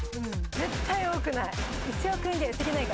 絶対多くない。